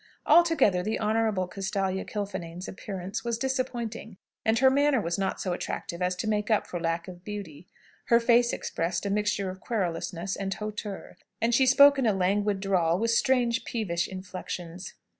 Altogether, the Honourable Castalia Kilfinane's appearance was disappointing, and her manner was not so attractive as to make up for lack of beauty. Her face expressed a mixture of querulousness and hauteur, and she spoke in a languid drawl, with strange peevish inflections.